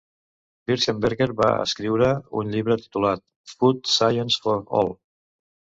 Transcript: Bircher Benner va escriure un llibre titulat "Food Science for All".